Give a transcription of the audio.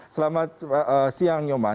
selamat siang nyoman